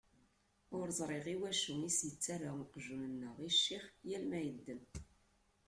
Ur ẓriɣ iwacu i s-yettarra uqjun-nneɣ i ccix yal mi yedden.